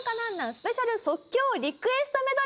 スペシャル即興リクエストメドレーです。